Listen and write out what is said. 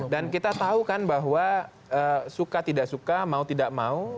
dan kita tahu kan bahwa suka tidak suka mau tidak mau